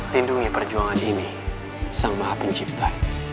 tindungi perjuangan ini sama pencipta